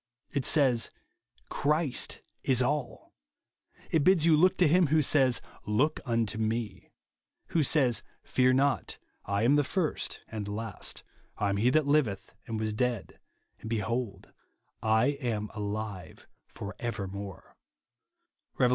It says, " Christ is all." It bids you look to him who says, " Look unto me ;" who says, " Fear not, I am the first and the last ; I am he that liveth and was dead, and behold I am alive for evermore," (Rev. i.